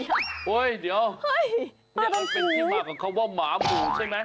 เฮ้ยเดี๋ยวนี่มันเป็นที่มาของคำว่าหมาบูกใช่ไหม